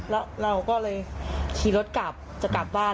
แล้วเราก็เลยขี่รถกลับจะกลับบ้าน